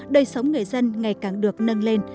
đầy sống người dân ngày càng được nâng lên